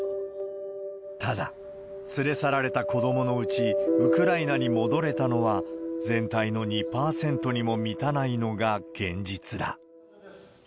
ただ、連れ去られた子どものうち、ウクライナに戻れたのは、全体の２％にも満たないのが現実だ。